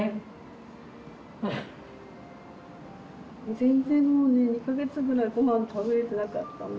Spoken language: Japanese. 全然もうね２か月ぐらいごはん食べれてなかったので。